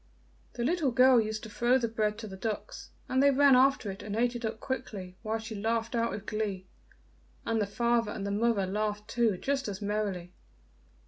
The little girl used to throw the bread to the ducks, and they ran after it and ate it up quickly, while she laughed out with glee, and the father and the mother laughed too just as merrily.